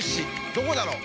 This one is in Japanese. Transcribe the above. どこだろう？